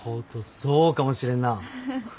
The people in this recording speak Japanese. そうかもしれんなあ。